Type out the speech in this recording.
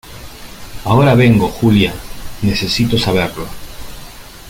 ahora vengo. Julia, necesito saberlo .